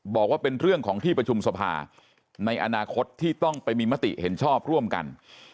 บอกว่าเป็นเรื่องของที่ประชุมสภาในอนาคตที่ต้องไปมีมติเห็นชอบร่วมกัน